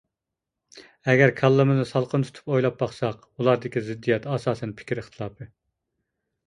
ئەگەر كاللىمىزنى سالقىن تۇتۇپ ئويلاپ باقساق ئۇلاردىكى زىددىيەت ئاساسەن پىكىر ئىختىلاپى.